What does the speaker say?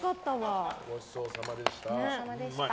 ごちそうさまでした。